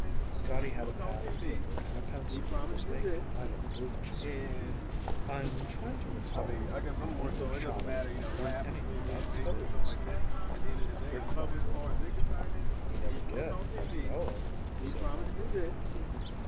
Scotty had a pad of paper and a pencil and was making idle doodles. "I'm trying to recall. When did Chahda learn anything about codes?" Rick thought for a moment. "He never did, that I know of," he said finally.